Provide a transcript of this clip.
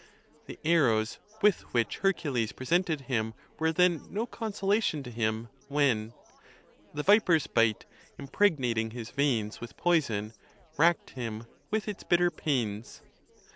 The arrows with which Hercules presented him were then no consolation to him, when se The viper's bite, impregnating his veins With poison, rack'd him with its bitter pains.